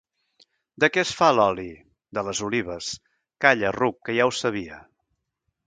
De què es fa l'oli? —De les olives. —Calla, ruc, que ja ho sabia.